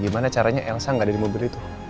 gimana caranya elsa gak ada di mobil itu